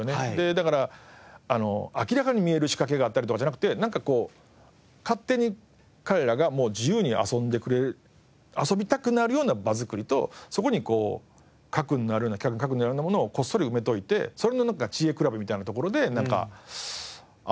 だから明らかに見える仕掛けがあったりとかじゃなくてなんかこう勝手に彼らが自由に遊んでくれる遊びたくなるような場づくりとそこに企画の核になるようなものをこっそり埋めておいてそれの知恵比べみたいなところで遊べたら。